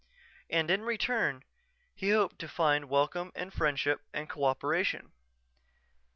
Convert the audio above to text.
And in return he hoped to find welcome and friendship and co operation....